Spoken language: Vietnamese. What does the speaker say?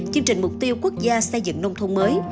chương trình mục tiêu quốc gia xây dựng nông thôn mới